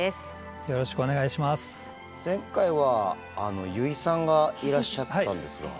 前回は油井さんがいらっしゃったんですが。